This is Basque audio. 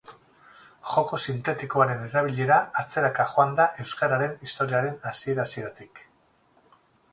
Joko sintetikoaren erabilera atzeraka joan da euskararen historiaren hasiera-hasieratik.